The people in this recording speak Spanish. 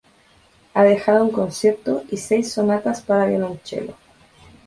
Ha dejado un concierto y seis sonatas para violonchelo.